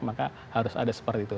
maka harus ada seperti itu